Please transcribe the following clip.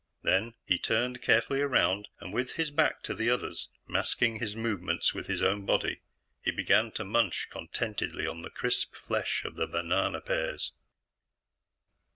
Then he turned carefully around, and, with his back to the others, masking his movements with his own body, he began to munch contentedly on the crisp flesh of the banana pears.